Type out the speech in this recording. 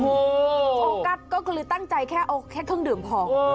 โฟกัสก็คือตั้งใจแค่เอาแค่เครื่องดื่มพอ